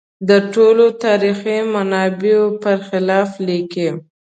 د ټولو تاریخي منابعو په خلاف لیکي.